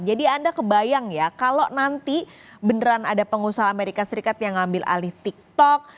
jadi anda kebayang ya kalau nanti beneran ada pengusaha amerika serikat yang ambil alih tiktok